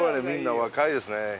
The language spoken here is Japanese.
みんな若いですね